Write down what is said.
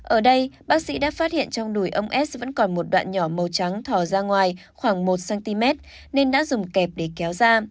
ở đây bác sĩ đã phát hiện trong nùi ông s vẫn còn một đoạn nhỏ màu trắng thò ra ngoài khoảng một cm nên đã dùng kẹp để kéo ra